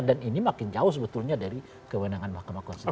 dan ini makin jauh sebetulnya dari kewenangan mahkamah konstitusi